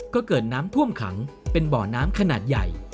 ก็เกิดน้ำท่วมขังเป็นบ่อน้ำขนาดใหญ่